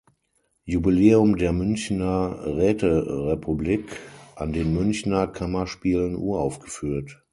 Jubiläum der Münchner Räterepublik, an den Münchner Kammerspielen uraufgeführt.